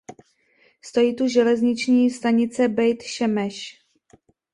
Stojí tu železniční stanice Bejt Šemeš.